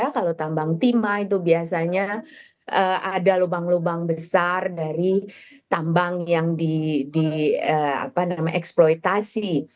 kalau tambang timah itu biasanya ada lubang lubang besar dari tambang yang dieksploitasi